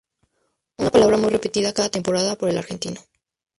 Una palabra muy repetida cada temporada por el argentino.